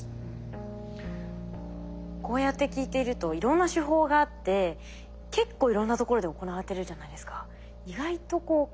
こうやって聞いているといろんな手法があって結構いろんなところで行われてるじゃないですか。